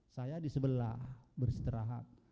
saya di sebelah berseterahat